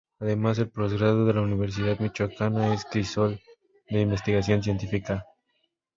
Además el posgrado de la Universidad Michoacana es crisol de investigación científica.